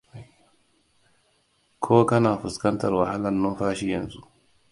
ko kana fuskantar wahalar numfashi yanzu